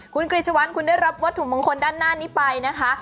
คุณกริชวันคุณได้รับวัตถุมงคลด้านหน้านี้ไปนะคะ